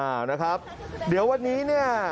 อ่านะครับเดี๋ยววันนี้เนี่ย